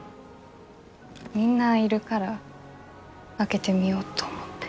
みんないるから開けてみようと思って。